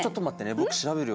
僕調べるよ。